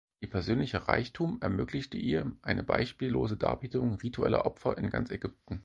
Ihr persönlicher Reichtum ermöglichte ihr eine beispiellose Darbietung ritueller Opfer in ganz Ägypten.